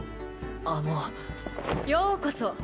あのようこそ！